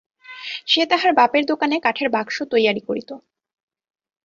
সে তাহার বাপের দোকানে কাঠের বাক্স তৈয়ারি করিত।